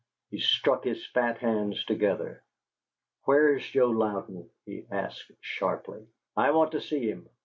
He struck his fat hands together. "Where's Joe Louden?" he asked, sharply. "I want to see him.